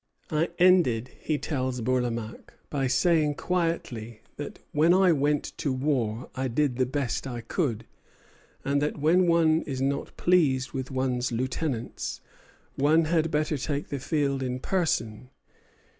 "I ended," he tells Bourlamaque, "by saying quietly that when I went to war I did the best I could; and that when one is not pleased with one's lieutenants, one had better take the field in person.